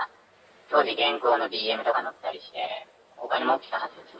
当時、現行のＢＭとか乗ったりして、お金持ってたはずですね。